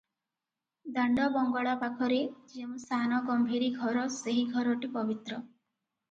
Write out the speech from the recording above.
ଦାଣ୍ଡ ବଙ୍ଗଳା ପାଖରେ ଯେଉଁ ସାନ ଗମ୍ଭୀରି ଘର ସେହି ଘରଟି ପବିତ୍ର ।